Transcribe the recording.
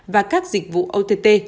và các dịch vụ ott